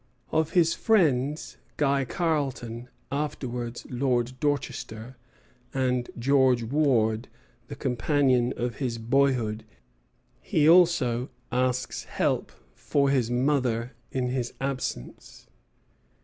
Of his friends Guy Carleton, afterwards Lord Dorchester, and George Warde, the companion of his boyhood, he also asks help for his mother in his absence.